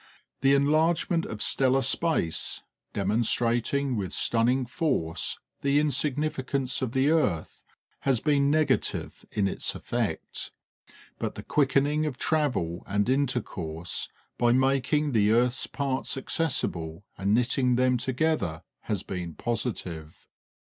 The enlargement of stellar space, demonstrating with stunning force the insignificance of the earth, has been negative in its effect; but the quickening of travel and intercourse, by making the earth's parts accessible and knitting them together, has been positive.